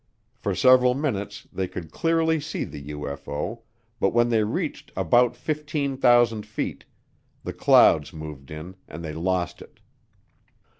For several minutes they could clearly see the UFO, but when they reached about 15,000 feet, the clouds moved in and they lost it.